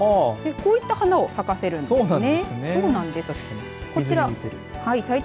こういった花を咲かせるんですね。